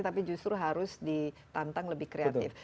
tapi justru harus ditantang lebih kreatif